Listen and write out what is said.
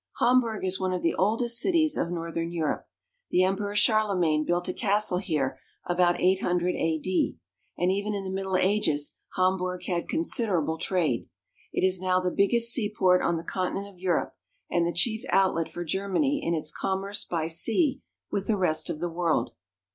HAMBURG is one of the oldest cities of northern Europe. The Emperor Charlemagne built a castle here about 800 a.d., and even in the Middle Ages Ham burg had considerable trade. It is now the biggest sea port on the continent of Europe, and the chief outlet for Germany in its commerce by sea with the rest of the world.